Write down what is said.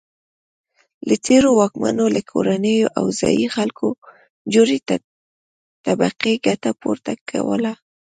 له تېرو واکمنانو له کورنیو او ځايي خلکو جوړې طبقې ګټه پورته کوله.